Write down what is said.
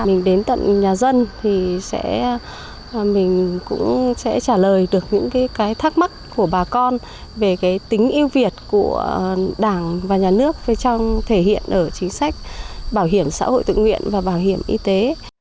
mình đến tận nhà dân thì mình cũng sẽ trả lời được những cái thắc mắc của bà con về cái tính yêu việt của đảng và nhà nước trong thể hiện ở chính sách bảo hiểm xã hội tự nguyện và bảo hiểm y tế